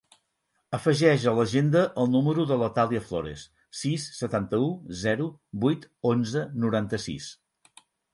Afegeix a l'agenda el número de la Thàlia Flores: sis, setanta-u, zero, vuit, onze, noranta-sis.